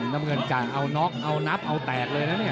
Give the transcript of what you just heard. น้ำเงินกะเอาน็อกเอานับเอาแตกเลยนะเนี่ย